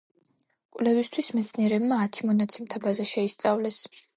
კვლევისთვის მეცნიერებმა ათი მონაცემთა ბაზა შეისწავლეს.